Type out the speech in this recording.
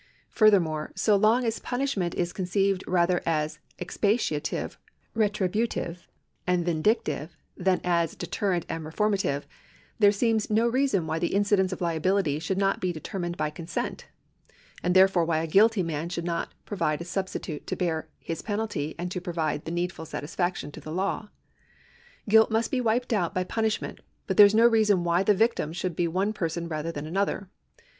^ Furthermore, so long as punishment is conceived rather as expiative, retributive, and vindictive, than as deterrent and reformative, there seems no reason why the incidence of liability should not be deter mined by consent, and therefore why a guilty man should not provide a substitute to bear his penalty and to provide the needful satisfaction to the law. Guilt must be wiped out by punishment, but there is no reason why the victim should be one person rather than another.